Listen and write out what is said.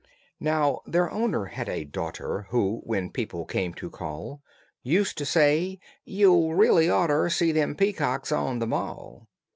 Now their owner had a daughter Who, when people came to call, Used to say, "You'd reelly oughter See them peacocks on the mall."